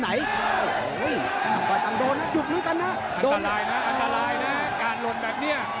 อันตรายนะอันตรายนะการหลบแบบนี้